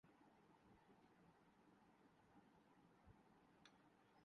افسوس کہ آج دین خیر خواہی نہیں، عصبیت کا نام ہے۔